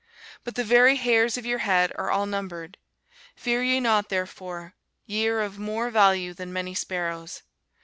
But the very hairs of your head are all numbered. Fear ye not therefore, ye are of more value than many sparrows.